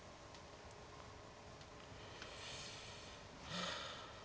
はあ。